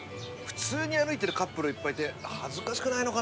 普通に歩いてるカップルいっぱいいて。